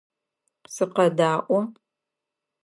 Сыкъэдаӏо!